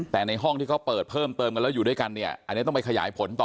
แต่ในห้องที่เขาเปิดเพิ่มเติมกันแล้วอยู่ด้วยกันเนี่ยอันนี้ต้องไปขยายผลต่อ